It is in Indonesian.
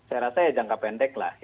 saya rasa ya jangka pendek lah